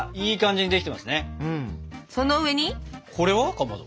かまど。